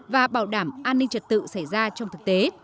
và bảo đảm an ninh trật tự xảy ra trong thực tế